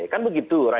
kan begitu raihat